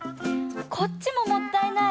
こっちももったいない。